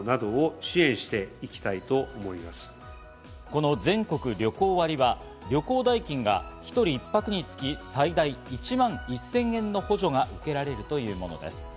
この全国旅行割は旅行代金が一人１泊につき最大１万１０００円の補助が受けられるというものです。